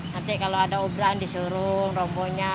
nanti kalau ada ublan disuruh rombonya